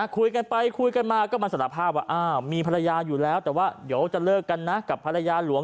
คุยกันไปคุยกันมาก็มาสารภาพว่าอ้าวมีภรรยาอยู่แล้วแต่ว่าเดี๋ยวจะเลิกกันนะกับภรรยาหลวง